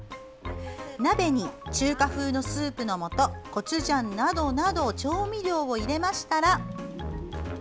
鍋に、中華風のスープの素コチュジャンなどなど調味料を入れましたら。